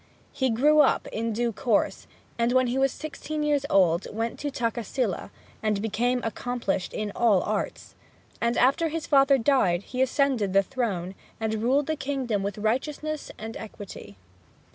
He grew up in due course; and when he was sixteen years old, went to Takkasila, and became accomplished in all arts. And after his father died he ascended the throne, and ruled the kingdom with righteousness and equity.